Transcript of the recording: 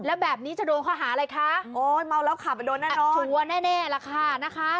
แล้วแบบนี้จะโดนข้อหาอะไรคะโอ้ยเมาแล้วขับไปโดนแน่นอนชัวร์แน่ล่ะค่ะนะคะ